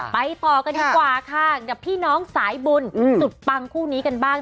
ไปต่อกันดีกว่าค่ะกับพี่น้องสายบุญสุดปังคู่นี้กันบ้าง